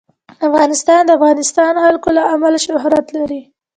افغانستان د د افغانستان جلکو له امله شهرت لري.